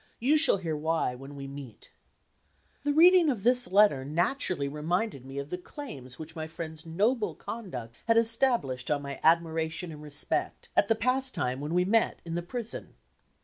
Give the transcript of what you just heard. You shall hear why when we meet." The reading of this letter naturally reminded me of the claims which my friend's noble conduct had established on my admiration and respect, at the past time when we met in the prison.